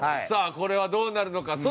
さあこれはどうなるのか？